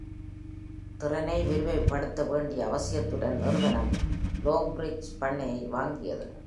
திறனை விரிவுபடுத்த வேண்டிய அவசியத்துடன், நிறுவனம் Longbridge பண்ணையை வாங்கியது.